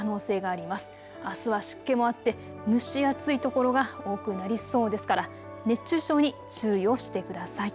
あすは湿気もあって蒸し暑い所が多くなりそうですから、熱中症に注意をしてください。